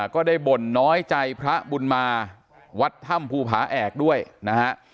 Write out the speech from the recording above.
ก็ได้บ่นน้อยใจพระบุญมาวัดถ้ำภูผาแอกด้วยนะฮะ